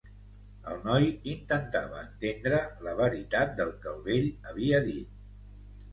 El noi intentava entendre la veritat del que el vell havia dit.